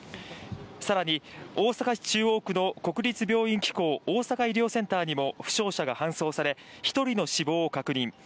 更に大阪市中央区の国立病院機構大阪医療センターにも負傷者が搬送され、１人の死亡を確認。